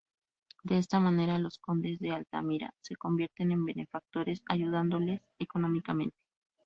De esta manera, los Condes de Altamira se convierten en benefactores, ayudándoles económicamente.